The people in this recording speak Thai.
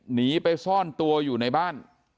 หนีไปซ่อนตัวอยู่ในบ้าน